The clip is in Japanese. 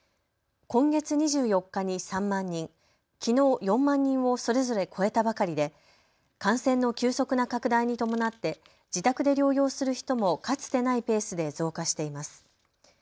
今月２４日に３万人、きのう４万人をそれぞれ超えたばかりで感染の急速な拡大に伴って自宅で療養する人もかつてないペースで増加しています。